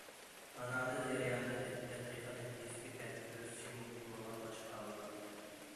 ئانالىز جەريانىدا، تەتقىقات نەتىجىسىگە تەسىر كۆرسىتىشى مۇمكىن بولغان باشقا ئامىللار.